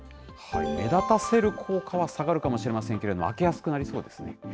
目立たせる効果は下がるかもしれませんけれども、開けやすくなりそうです。